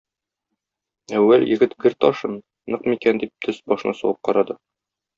Әүвәл егет гер ташын, нык микән дип тез башына сугып карады.